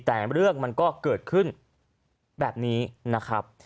แต่เรื่องมันก็เกิดขึ้นแบบนี้นะครับ